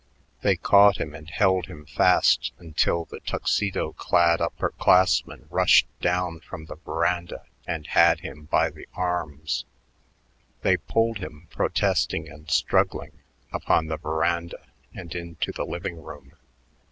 They caught him and held him fast until the Tuxedo clad upper classmen rushed down from the veranda and had him by the arms. They pulled him, protesting and struggling, upon the veranda and into the living room.